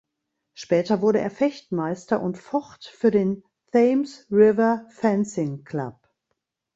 Später wurde er Fechtmeister und focht für den "Thames River Fencing Club".